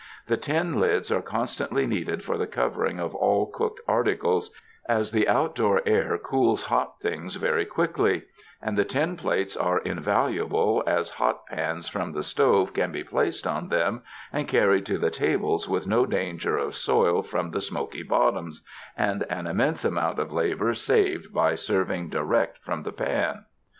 The tin lids are constantly needed for the covering of all cooked articles, as the outdoor air cools hot things very quickly; and the tin plates are invaluable, as hot pans from the stove can be placed on them and carried to the tables with no danger of soil from the smoky bottoms, and an immense amount of labor saved by serving direct from the pan.